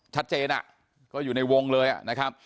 ชัดเจนก็อยู่ในวงเลยนะครับ